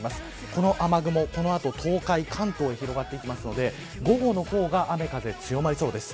この雨雲、この後東海、関東に広がっていくので午後の方が雨風強まりそうです。